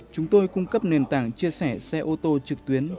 chúng tôi cung cấp nền tảng chia sẻ xe ô tô trực tuyến